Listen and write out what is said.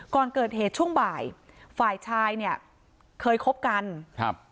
ก่อนเกิดเหตุช่วงบ่ายฝ่ายชายเนี่ยเคยคบกันครับ